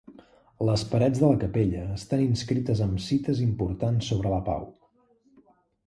Les parets de la capella estan inscrites amb cites importants sobre la pau.